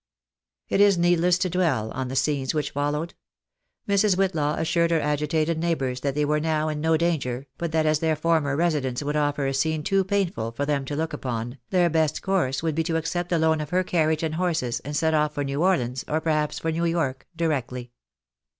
It is needless to dwell on the scenes which followed. Mrs. Whitlaw assured her agitated neighbours that they were now in no danger, but that as their former residence would offer a scene too DEPARTURE FOR EUROPE. 343 painful for them to look upon, their best course would be to accept the loan of her carriage and horses, and set off for New Orleans, or perhaps for New York, directly.